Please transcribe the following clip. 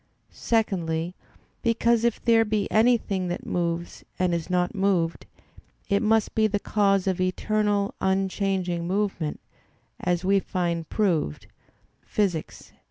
Secondly, because if there be anything that moves and is not moved, it must be the cause of eternal, unchanging movement, as we find proved Phys.